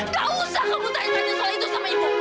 gak usah kamu tanya tanya soal itu sama ibu